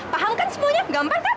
paham kan semuanya gampang